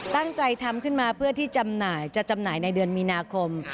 ตั้งใจทำขึ้นมาเพื่อที่จำหน่ายจะจำหน่ายในเดือนมีนาคม